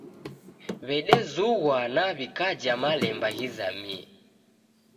W'edezughwa na w'ikaja malemba ghizamie.